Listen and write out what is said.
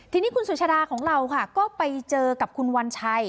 ทีนี้คุณสุชาดาของเราค่ะก็ไปเจอกับคุณวัญชัย